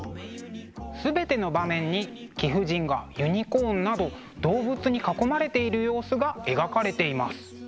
全ての場面に貴婦人がユニコーンなど動物に囲まれている様子が描かれています。